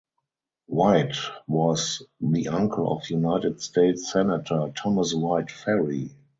White was the uncle of United States Senator Thomas White Ferry.